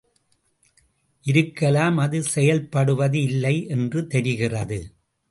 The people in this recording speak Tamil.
இருக்கலாம் அது செயல்படுவது இல்லை என்று தெரிகிறது.